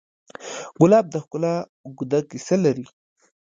ګلاب د ښکلا اوږده کیسه لري.